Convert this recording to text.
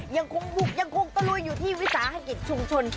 ยังคงบุกยังคงตะลุยอยู่ที่วิสาหกิจชุมชน